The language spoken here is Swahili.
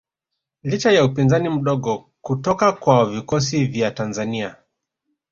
Licha ya upinzani mdogo kutoka kwa vikosi vya Tanzania